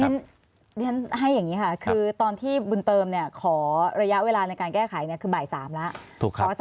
เรียนให้อย่างนี้ค่ะคือตอนที่บุญเติมขอระยะเวลาในการแก้ไขคือบ่าย๓แล้ว